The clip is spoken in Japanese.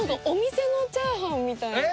「お店のチャーハンみたい」。